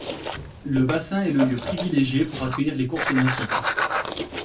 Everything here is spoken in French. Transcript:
Le bassin est le lieu privilégié pour accueillir les courses nautiques.